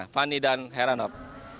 fani dan heranop